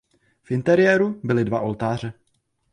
V interiéru byly dva oltáře.